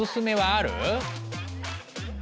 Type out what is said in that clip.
ある？